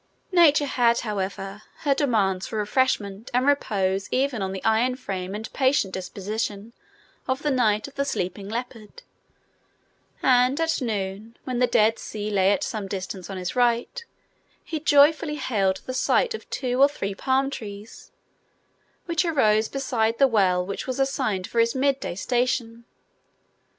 Nature had, however, her demands for refreshment and repose even on the iron frame and patient disposition of the Knight of the Sleeping Leopard; and at noon, when the Dead Sea lay at some distance on his right, he joyfully hailed the sight of two or three palm trees, which arose beside the well which was assigned for his mid day station.